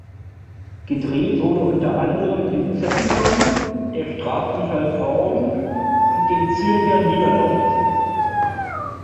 Gedreht wurde unter anderem in Pfäffikon, der Strafanstalt Horgen und dem Zürcher Niederdorf.